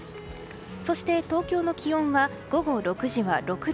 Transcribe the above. そして東京の気温は午後６時は６度。